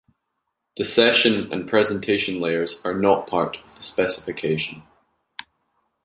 The session and presentation layers are not part of the specification.